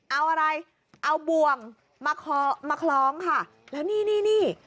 เอาอะไรเอาบ่วงมาคอมาคล้องค่ะแล้วนี่นี่